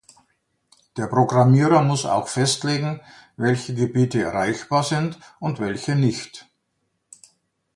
Der Programmierer muss auch festlegen, welche Gebiete erreichbar sind und welche nicht.